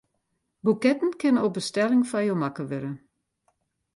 Boeketten kinne op bestelling foar jo makke wurde.